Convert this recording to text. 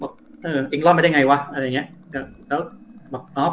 เออเองรอดไม่ได้ไงวะอะไรอย่างเงี้ยแล้วบอกอ๋อ